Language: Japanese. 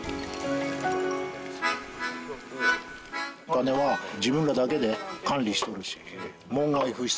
種は自分らだけで管理しとるし。